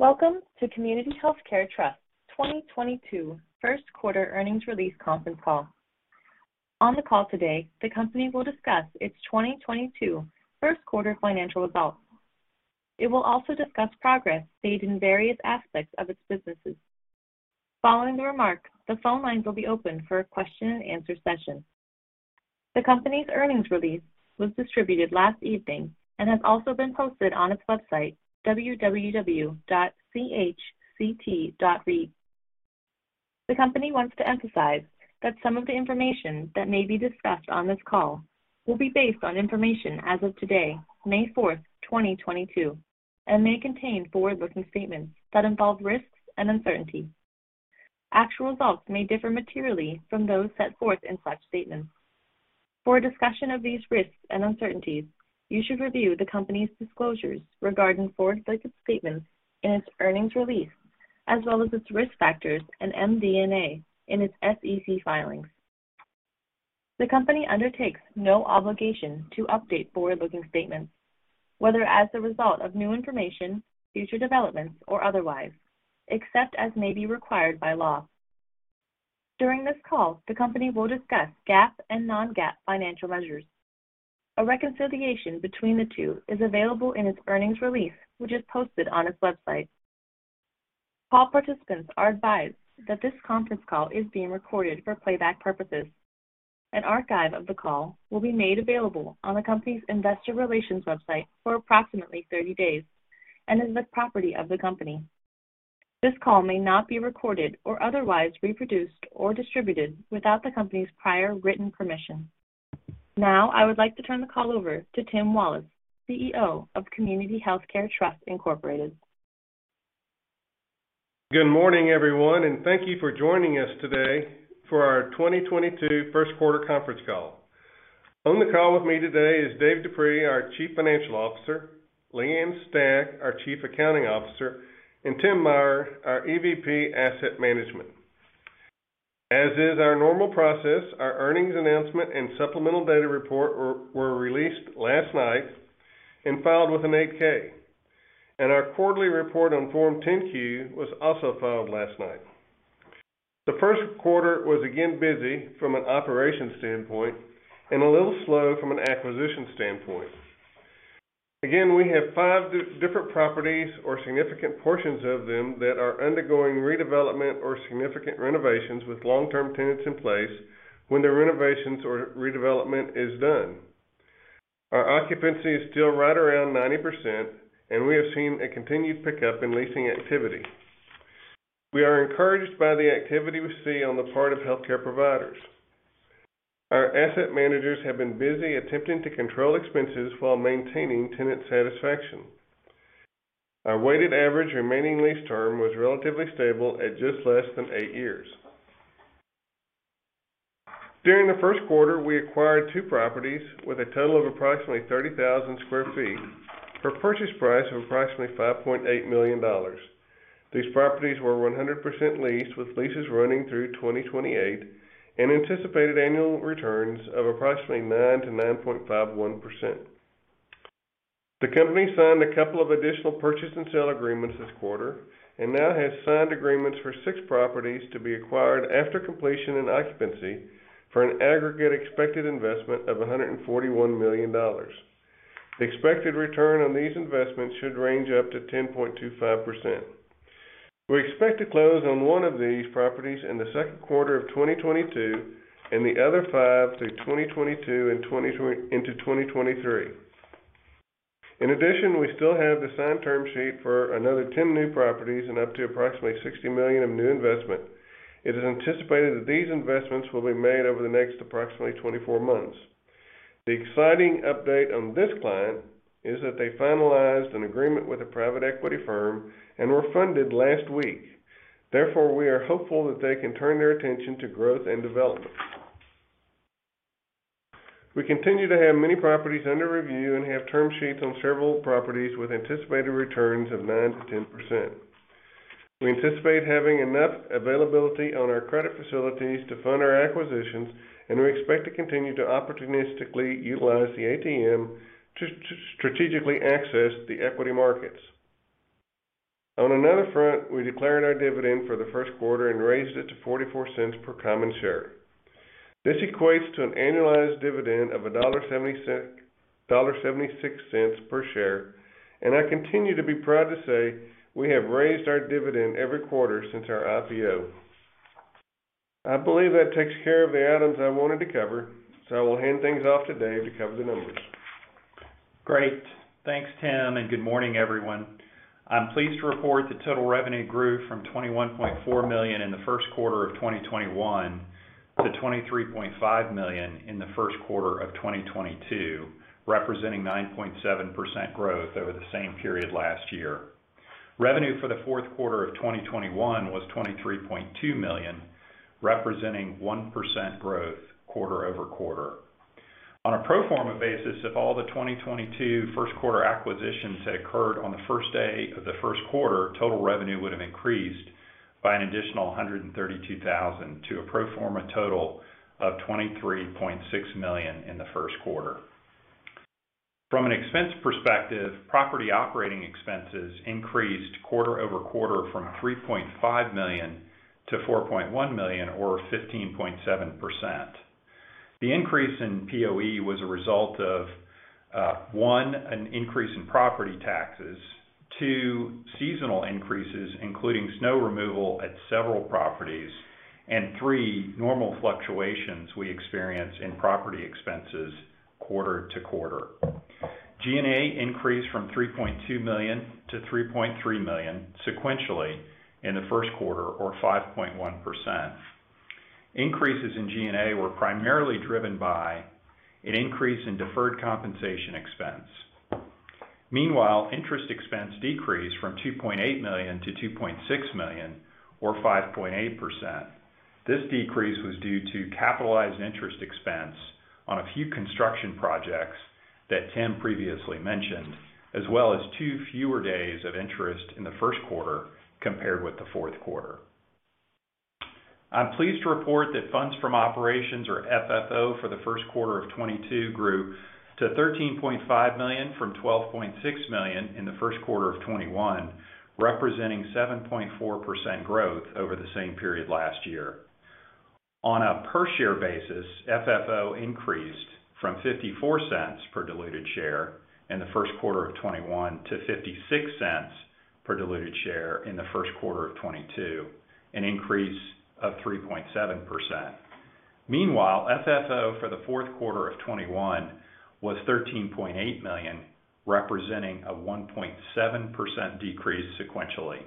Welcome to Community Healthcare Trust 2022 Q1 Earnings release Conference Call. On the call today, the company will discuss its 2022 Q1 financial results. It will also discuss progress made in various aspects of its businesses. Following the remark, the phone lines will be open for a question-and-answer session. The company's earnings release was distributed last evening and has also been posted on its website, www.chct.reit. The company wants to emphasize that some of the information that may be discussed on this call will be based on information as of today, May fourth, 2022, and may contain forward-looking statements that involve risks and uncertainty. Actual results may differ materially from those set forth in such statements. For a discussion of these risks and uncertainties, you should review the company's disclosures regarding forward-looking statements in its earnings release, as well as its risk factors and MD&A in its SEC filings. The company undertakes no obligation to update forward-looking statements, whether as a result of new information, future developments, or otherwise, except as may be required by law. During this call, the company will discuss GAAP and non-GAAP financial measures. A reconciliation between the two is available in its earnings release, which is posted on its website. Call participants are advised that this Conference Call is being recorded for playback purposes. An archive of the call will be made available on the company's investor relations website for approximately 30 days and is the property of the company. This call may not be recorded or otherwise reproduced or distributed without the company's prior written permission. Now, I would like to turn the call over to Tim Wallace, CEO of Community Healthcare Trust Incorporated. Good morning, everyone, and thank you for joining us today for our 2022 Q1 Conference Call. On the call with me today is Dave Dupuy, our Chief Financial Officer, Leigh Ann Stach, our Chief Accounting Officer, and Tim Meyer, our EVP Asset Management. As is our normal process, our earnings announcement and supplemental data report were released last night and filed with an 8-K, and our quarterly report on Form 10-Q was also filed last night. The Q1 was again busy from an operational standpoint and a little slow from an acquisition standpoint. Again, we have five different properties or significant portions of them that are undergoing redevelopment or significant renovations with long-term tenants in place when the renovations or redevelopment is done. Our occupancy is still right around 90%, and we have seen a continued pickup in leasing activity. We are encouraged by the activity we see on the part of healthcare providers. Our asset managers have been busy attempting to control expenses while maintaining tenant satisfaction. Our weighted average remaining lease term was relatively stable at just less than 8-years. During Q1, we acquired two properties with a total of approximately 30,000 sq ft for purchase price of approximately $5.8 million. These properties were 100% leased, with leases running through 2028 and anticipated annual returns of approximately 9%-9.51%. The company signed a couple of additional purchase and sale agreements this quarter and now has signed agreements for six properties to be acquired after completion and occupancy for an aggregate expected investment of $141 million. The expected return on these investments should range up to 10.25%. We expect to close on one of these properties in Q2 of 2022 and the other five through 2022 into 2023. In addition, we still have the signed term sheet for another 10 new properties and up to approximately $60 million of new investment. It is anticipated that these investments will be made over the next approximately 24 months. The exciting update on this client is that they finalized an agreement with a private equity firm and were funded last week. Therefore, we are hopeful that they can turn their attention to growth and development. We continue to have many properties under review and have term sheets on several properties with anticipated returns of 9%-10%. We anticipate having enough availability on our credit facilities to fund our acquisitions, and we expect to continue to opportunistically utilize the ATM to strategically access the equity markets. On another front, we declared our dividend for Q1 and raised it to $0.44 per common share. This equates to an annualized dividend of $1.76 per share, and I continue to be proud to say we have raised our dividend every quarter since our IPO. I believe that takes care of the items I wanted to cover, so I will hand things off to Dave to cover the numbers. Great. Thanks, Tim, and good morning, everyone. I'm pleased to report the total revenue grew from $21.4 million in Q1 of 2021 to $23.5 million in Q1 of 2022, representing 9.7% growth over the same period last year. Revenue for the fourth quarter of 2021 was $23.2 million, representing 1% growth quarter-over-quarter. On a pro forma basis, if all the 2022 Q1 acquisitions had occurred on the first day of Q1, total revenue would have increased by an additional $132,000 to a pro forma total of $23.6 million in Q1. From an expense perspective, property operating expenses increased quarter-over-quarter from $3.5 million to $4.1 million or 15.7%. The increase in POE was a result of, one, an increase in property taxes, two, seasonal increases, including snow removal at several properties, and three, normal fluctuations we experience in property expenses quarter-to-quarter. G&A increased from $3.2 million to $3.3 million sequentially in Q1 or 5.1%. Increases in G&A were primarily driven by an increase in deferred compensation expense. Meanwhile, interest expense decreased from $2.8 million to $2.6 million or 5.8%. This decrease was due to capitalized interest expense on a few construction projects that Tim previously mentioned, as well as two fewer days of interest in Q1 compared with Q4. I'm pleased to report that funds from operations, or FFO, for Q1 of 2022 grew to $13.5 million from $12.6 million in Q1 of 2021, representing 7.4% growth over the same period last year. On a per-share basis, FFO increased from $0.54 per diluted share in Q1 of 2021 to $0.56 per diluted share in Q1 of 2022, an increase of 3.7%. Meanwhile, FFO for Q4 of 2021 was $13.8 million, representing a 1.7% decrease sequentially.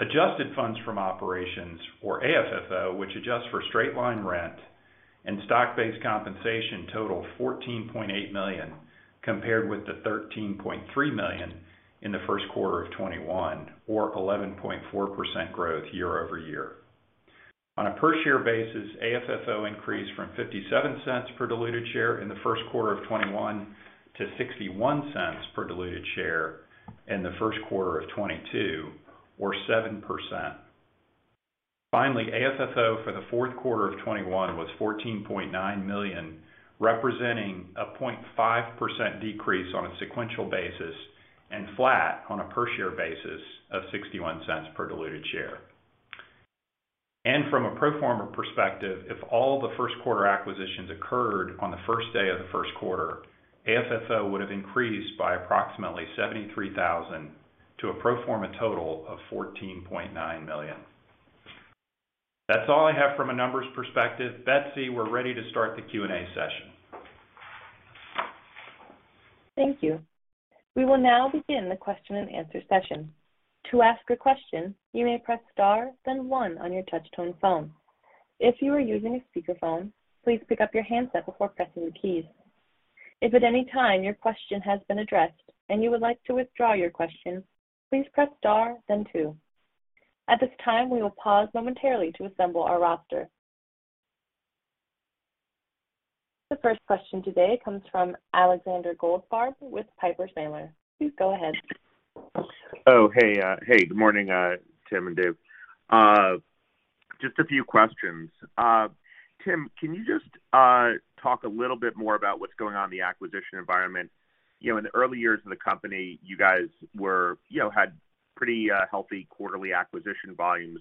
Adjusted funds from operations, or AFFO, which adjusts for straight-line rent and stock-based compensation, totaled $14.8 million, compared with the $13.3 million in Q1of 2021, or 11.4% growth year-over-year. On a per-share basis, AFFO increased from $0.57 per diluted share in Q1 of 2021 to $0.61 per diluted share in Q1of 2022, or 7%. Finally, AFFO for tQ4 of 2021 was $14.9 million, representing a 0.5% decrease on a sequential basis and flat on a per-share basis of $0.61 per diluted share. From a pro forma perspective, if all Q1 acquisitions occurred on the first day of Q1, AFFO would have increased by approximately $73,000 to a pro forma total of $14.9 million. That's all I have from a numbers perspective. Betsy, we're ready to start the Q&A session. Thank you. We will now begin the question-and-answer session. To ask a question, you may press star then one on your touch-tone phone. If you are using a speakerphone, please pick up your handset before pressing the keys. If at any time your question has been addressed and you would like to withdraw your question, please press star then two. At this time, we will pause momentarily to assemble our roster. The first question today comes from Alexander Goldfarb with Piper Sandler. Please go ahead. Hey, good morning, Tim and Dave. Just a few questions. Tim, can you just talk a little bit more about what's going on in the acquisition environment? You know, in the early years of the company, you guys, you know, had pretty healthy quarterly acquisition volumes,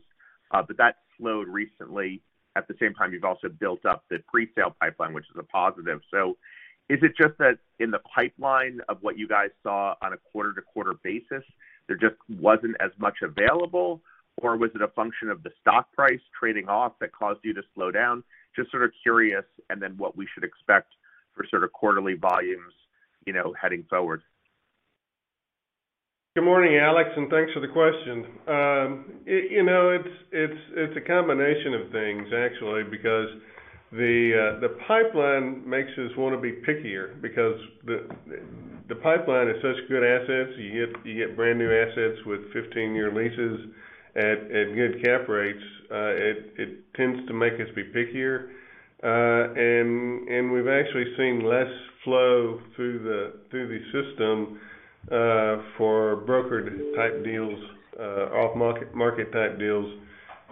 but that slowed recently. At the same time, you've also built up the presale pipeline, which is a positive. Is it just that in the pipeline of what you guys saw on a quarter-to-quarter basis, there just wasn't as much available, or was it a function of the stock price trading off that caused you to slow down? Just sort of curious, and then what we should expect for sort of quarterly volumes, you know, heading forward. Good morning, Alex, and thanks for the question. You know, it's a combination of things actually, because the pipeline makes us wanna be pickier because the pipeline is such good assets. You get brand new assets with 15-year leases at good cap rates. It tends to make us be pickier. And we've actually seen less flow through the system for brokered type deals, off market type deals,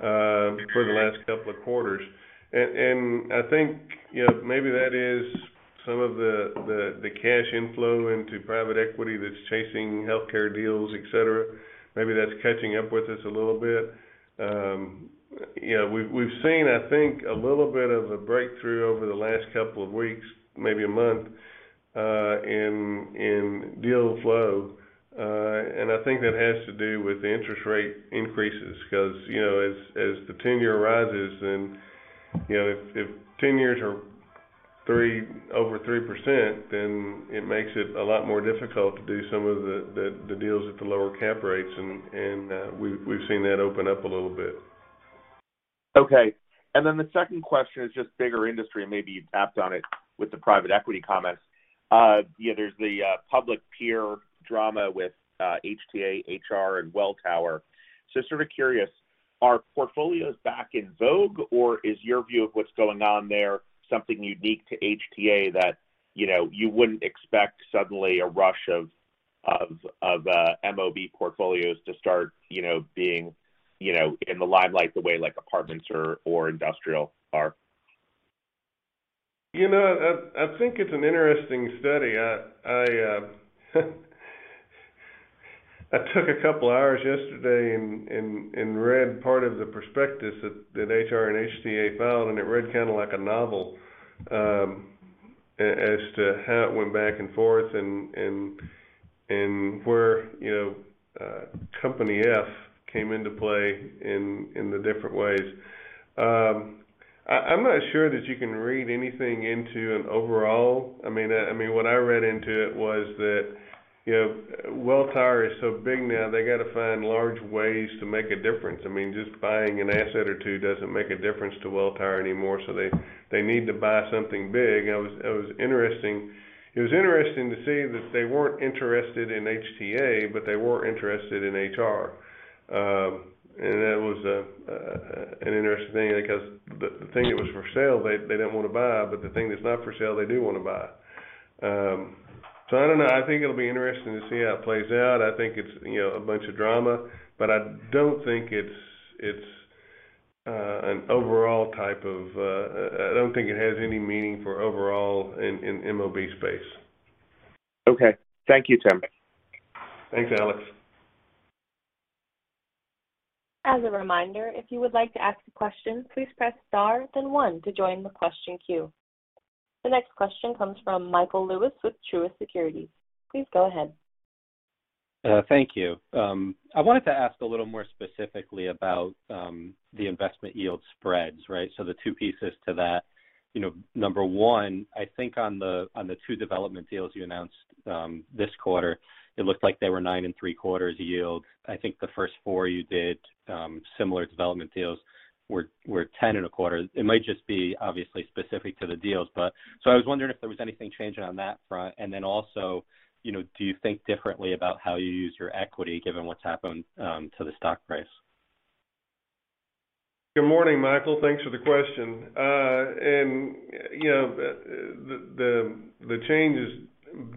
for the last couple of quarters. I think, you know, maybe that is some of the cash inflow into private equity that's chasing healthcare deals, et cetera. Maybe that's catching up with us a little bit. You know, we've seen, I think, a little bit of a breakthrough over the last couple of weeks, maybe a month, in deal flow. I think that has to do with the interest rate increases 'cause, you know, as the 10-year rises and, you know, if 10-years are over 3%, then it makes it a lot more difficult to do some of the deals at the lower cap rates and we've seen that open up a little bit. Okay. The second question is just bigger industry, and maybe you touched on it with the private equity comments. You know, there's the public peer drama with HTA, HR, and Welltower. Sort of curious, are portfolios back in vogue, or is your view of what's going on there something unique to HTA that, you know, you wouldn't expect suddenly a rush of MOB portfolios to start, you know, being, you know, in the limelight the way like apartments or industrial are. You know, I think it's an interesting study. I took a couple of hours yesterday and read part of the prospectus that HR and HTA filed, and it read kinda like a novel, as to how it went back and forth and where, you know, company F came into play in the different ways. I'm not sure that you can read anything into an overall. I mean, what I read into it was that, you know, Welltower is so big now they gotta find large ways to make a difference. I mean, just buying an asset or two doesn't make a difference to Welltower anymore, so they need to buy something big. It was interesting. It was interesting to see that they weren't interested in HTA, but they were interested in HR. That was an interesting thing because the thing that was for sale, they didn't wanna buy, but the thing that's not for sale, they do wanna buy. I don't know. I think it'll be interesting to see how it plays out. I think it's, you know, a bunch of drama, but I don't think it has any meaning for overall in MOB space. Okay. Thank you, Tim. Thanks, Alex. As a reminder, if you would like to ask a question, please press star then one to join the question queue. The next question comes from Michael Lewis with Truist Securities. Please go ahead. Thank you. I wanted to ask a little more specifically about the investment yield spreads, right? The two pieces to that. You know, number one, I think on the two development deals you announced this quarter, it looked like they were 9.75 yield. I think the first four you did similar development deals were 10.25. It might just be obviously specific to the deals. I was wondering if there was anything changing on that front. Also, you know, do you think differently about how you use your equity given what's happened to the stock price? Good morning, Michael. Thanks for the question. You know, the change is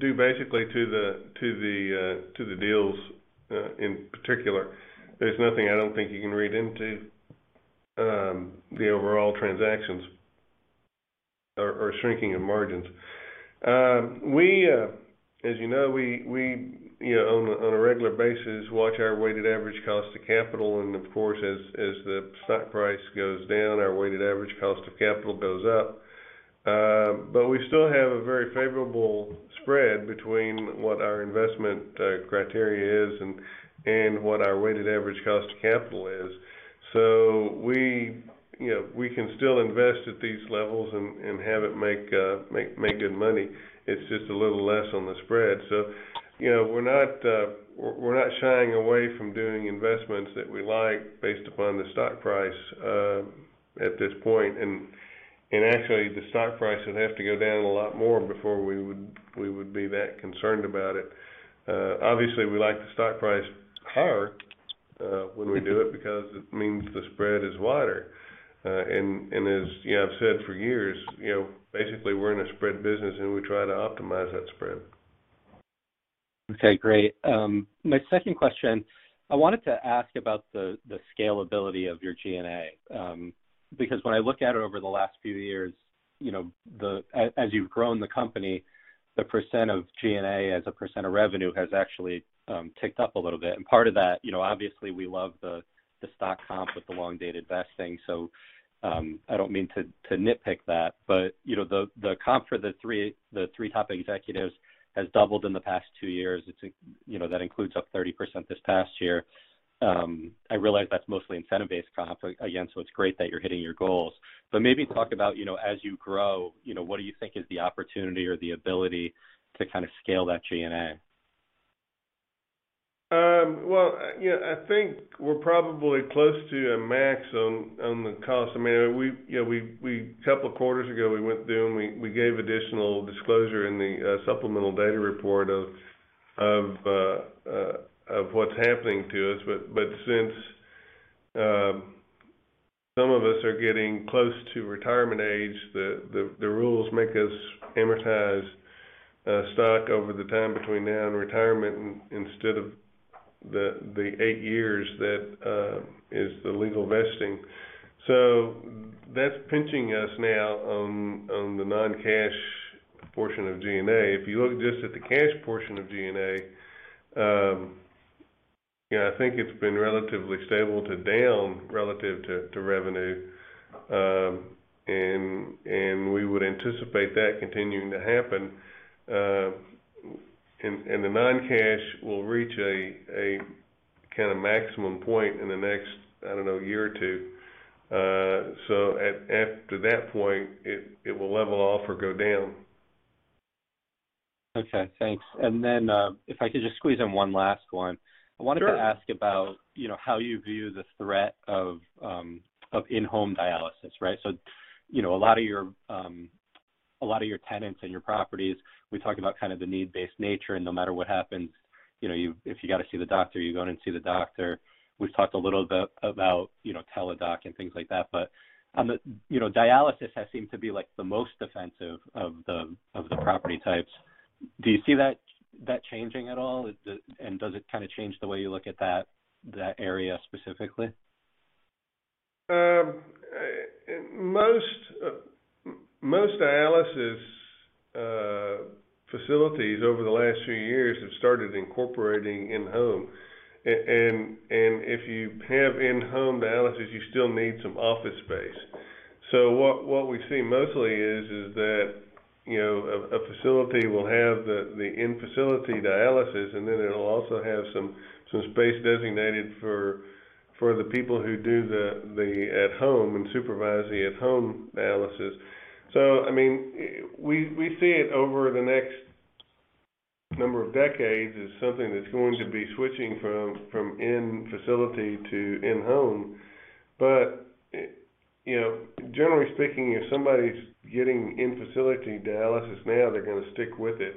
due basically to the deals in particular. There's nothing I don't think you can read into the overall transactions or shrinking of margins. As you know, we you know, on a regular basis watch our weighted average cost of capital, and of course, as the stock price goes down, our weighted average cost of capital goes up. We still have a very favorable spread between what our investment criteria is and what our weighted average cost of capital is. You know, we can still invest at these levels and have it make good money. It's just a little less on the spread. You know, we're not shying away from doing investments that we like based upon the stock price at this point. Actually, the stock price would have to go down a lot more before we would be that concerned about it. Obviously, we like the stock price higher when we do it because it means the spread is wider. As you know, I've said for years, you know, basically, we're in a spread business, and we try to optimize that spread. Okay, great. My second question, I wanted to ask about the scalability of your G&A. Because when I look at it over the last few years, you know, as you've grown the company, the percent of G&A as a percent of revenue has actually ticked up a little bit. Part of that, you know, obviously, we love the stock comp with the long-dated vesting. I don't mean to nitpick that, but you know, the comp for the 3 top executives has doubled in the past 2-years. It's you know, that includes up 30% this past year. I realize that's mostly incentive-based comp, again, so it's great that you're hitting your goals. Maybe talk about, you know, as you grow, you know, what do you think is the opportunity or the ability to kind of scale that G&A? Well, you know, I think we're probably close to a max on the cost. I mean, you know, couple of quarters ago, we went through and we gave additional disclosure in the supplemental data report of what's happening to us. Since some of us are getting close to retirement age, the rules make us amortize stock over the time between now and retirement instead of the eight years that is the legal vesting. That's pinching us now on the non-cash portion of G&A. If you look just at the cash portion of G&A, you know, I think it's been relatively stable to down relative to revenue. And we would anticipate that continuing to happen. The non-cash will reach a kinda maximum point in the next, I don't know, year or two. After that point, it will level off or go down. Okay, thanks. If I could just squeeze in one last one. Sure. I wanted to ask about, you know, how you view the threat of in-home dialysis, right? You know, a lot of your tenants in your properties, we talk about kind of the need-based nature, and no matter what happens, you know, if you gotta see the doctor, you're going to see the doctor. We've talked a little bit about, you know, Teladoc and things like that. You know, dialysis has seemed to be, like, the most defensive of the property types. Do you see that changing at all? Does it kinda change the way you look at that area specifically? Most dialysis facilities over the last few years have started incorporating in-home. If you have in-home dialysis, you still need some office space. What we see mostly is that, you know, a facility will have the in-facility dialysis, and then it'll also have some space designated for the people who do the at home and supervise the at home dialysis. I mean, we see it over the next number of decades as something that's going to be switching from in-facility to in-home. You know, generally speaking, if somebody's getting in-facility dialysis now, they're gonna stick with it.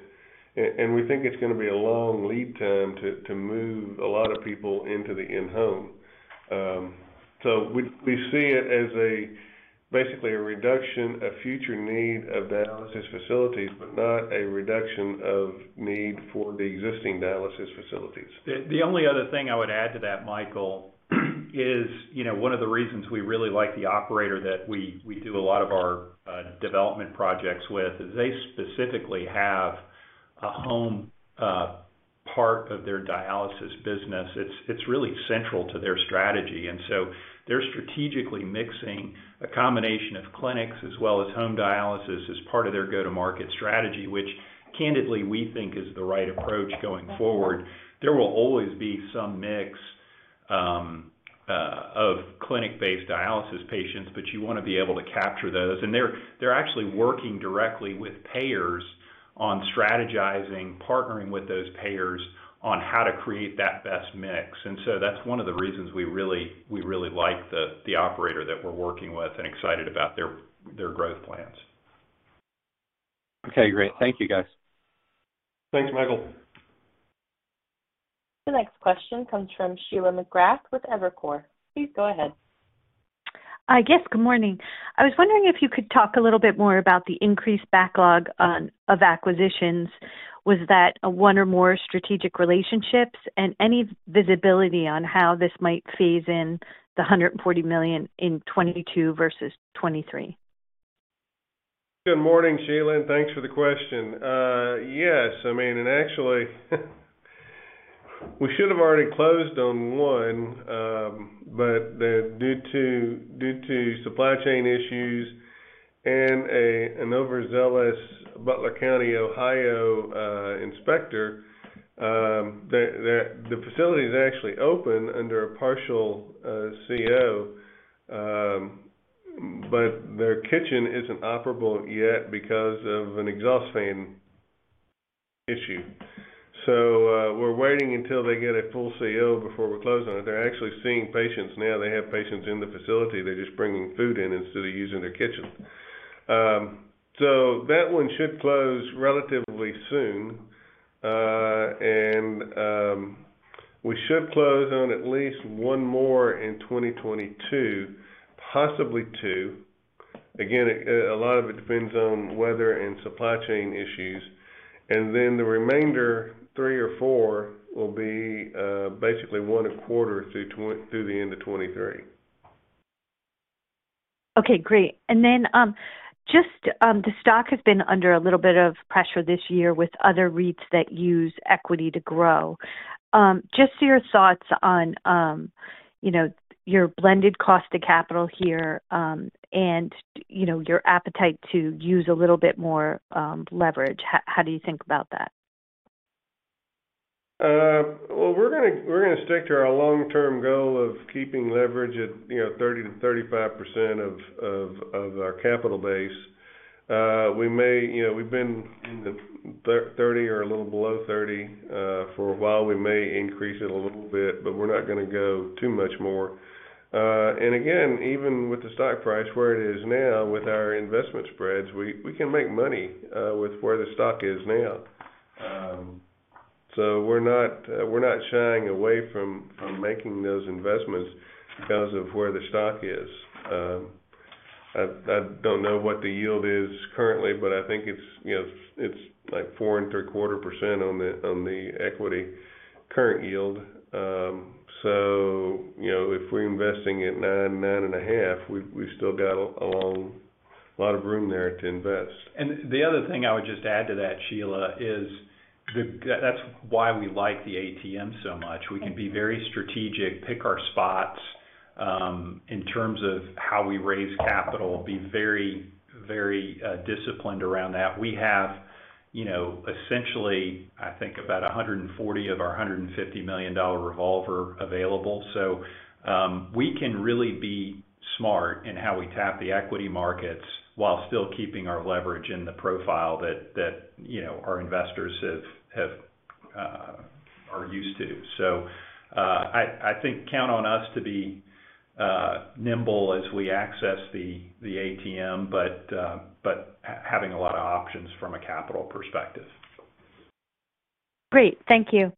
We think it's gonna be a long lead time to move a lot of people into the in-home. We see it as basically a reduction of future need of dialysis facilities, but not a reduction of need for the existing dialysis facilities. The only other thing I would add to that, Michael, is, you know, one of the reasons we really like the operator that we do a lot of our development projects with is they specifically have a home part of their dialysis business. It's really central to their strategy. They're strategically mixing a combination of clinics as well as home dialysis as part of their go-to-market strategy, which candidly we think is the right approach going forward. There will always be some mix of clinic-based dialysis patients, but you wanna be able to capture those. They're actually working directly with payers on strategizing, partnering with those payers on how to create that best mix. That's one of the reasons we really like the operator that we're working with and excited about their growth plans. Okay, great. Thank you, guys. Thanks, Michael. The next question comes from Sheila McGrath with Evercore. Please go ahead. Yes, good morning. I was wondering if you could talk a little bit more about the increased backlog of acquisitions. Was that one or more strategic relationships? Any visibility on how this might phase in the $140 million in 2022 versus 2023. Good morning, Sheila, and thanks for the question. Yes. I mean, actually, we should have already closed on one. Due to supply chain issues and an overzealous Butler County, Ohio, inspector, the facility is actually open under a partial CO, but their kitchen isn't operable yet because of an exhaust fan issue. We're waiting until they get a full CO before we close on it. They're actually seeing patients now. They have patients in the facility. They're just bringing food in instead of using their kitchen. That one should close relatively soon. We should close on at least one more in 2022, possibly two. Again, a lot of it depends on weather and supply chain issues. The remainder three or four will be basically one a quarter through the end of 2023. Okay, great. Then, just, the stock has been under a little bit of pressure this year with other REITs that use equity to grow. Just your thoughts on, you know, your blended cost of capital here, and, you know, your appetite to use a little bit more leverage. How do you think about that? Well, we're gonna stick to our long-term goal of keeping leverage at, you know, 30%-35% of our capital base. You know, we've been in the 30 or a little below 30 for a while. We may increase it a little bit, but we're not gonna go too much more. Even with the stock price where it is now with our investment spreads, we can make money with where the stock is now. We're not shying away from making those investments because of where the stock is. I don't know what the yield is currently, but I think it's, you know, it's like 4.75% on the equity current yield. You know, if we're investing at 9%-9.5%, we've still got a lot of room there to invest. The other thing I would just add to that, Sheila, is that that's why we like the ATM so much. Okay. We can be very strategic, pick our spots, in terms of how we raise capital, be very disciplined around that. We have, you know, essentially, I think about 140 of our $150 million revolver available. We can really be smart in how we tap the equity markets while still keeping our leverage in the profile that you know our investors are used to. I think count on us to be nimble as we access the ATM, but having a lot of options from a capital perspective. Great. Thank you.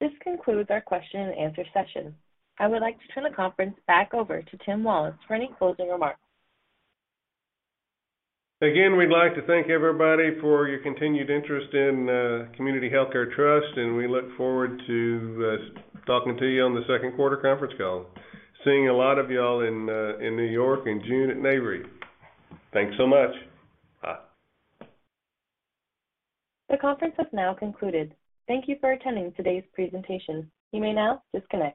This concludes our question and answer session. I would like to turn the conference back over to Timothy G. Wallace for any closing remarks. Again, we'd like to thank everybody for your continued interest in Community Healthcare Trust, and we look forward to talking to you on Q2 Conference Call. Seeing a lot of y'all in New York in June at Nareit. Thanks so much. Bye. The conference has now concluded. Thank you for attending today's presentation. You may now disconnect.